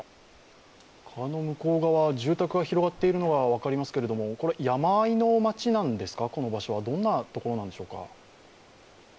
川の向こう側住宅が広がっているのが分かりますが山あいの町なんですか、どんな所なんでしょうか？